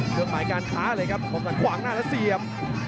เครื่องหมายการค้าเลยครับคมสรรขวางหน้าแล้วเสียบ